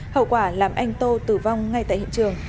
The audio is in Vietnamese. hậu quả làm anh tô tử vong ngay tại hiện trường